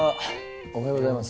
おはようございます。